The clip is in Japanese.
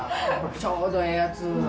ちょうどええやつ。